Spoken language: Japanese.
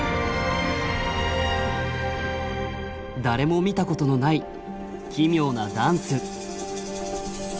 誰も見たことのない奇妙なダンス。